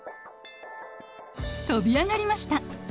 跳び上がりました。